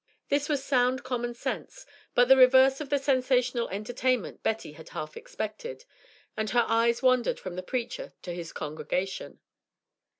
This was sound commonsense, but the reverse of the sensational entertainment Betty had half expected, and her eyes wandered from the preacher to his congregation.